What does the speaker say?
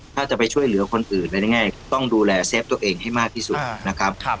ถ้าจะไปช่วยเหลือคนอื่นอะไรง่ายต้องดูแลเซฟตัวเองให้มากที่สุดนะครับ